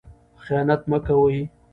خیانت مه کوئ.